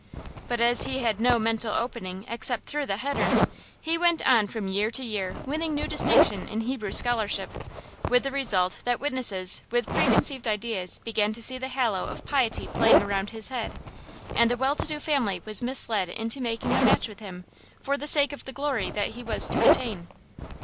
But as he had no mental opening except through the hedder, he went on from year to year winning new distinction in Hebrew scholarship; with the result that witnesses with preconceived ideas began to see the halo of piety playing around his head, and a well to do family was misled into making a match with him for the sake of the glory that he was to attain.